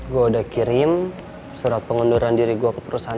gue udah kirim surat pengunduran diri gue ke perusahaan